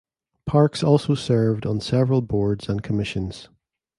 Parks also served on several boards and commissions.